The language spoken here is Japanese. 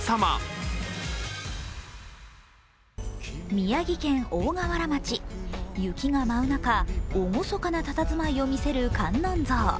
宮城県大河原町、雪が舞う中厳かなたたずまいを見せる観音像。